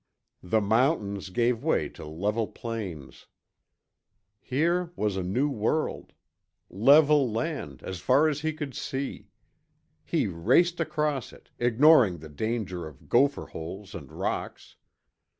The mountains gave way to level plains. Here was a new world! Level land, as far as he could see. He raced across it, ignoring the danger of gopher holes and rocks.